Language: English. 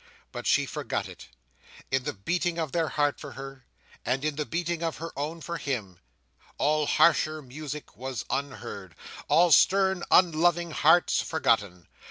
But she forgot it. In the beating of that heart for her, and in the beating of her own for him, all harsher music was unheard, all stern unloving hearts forgotten.